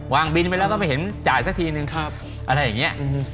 วางบินไปแล้วก็มาเห็นใจซะทีหนึ่งอะไรอย่างเงี้ย